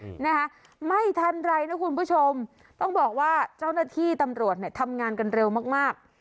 นะคะไม่ทันไรนะคุณผู้ชมต้องบอกว่าเจ้าหน้าที่ตำรวจเนี่ยทำงานกันเร็วมากมาก